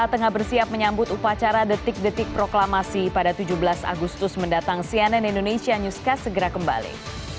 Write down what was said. tengah bersiap menyambut upacara detik detik proklamasi pada tujuh belas agustus mendatang cnn indonesia newscast segera kembali